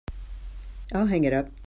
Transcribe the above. I'll hang it up.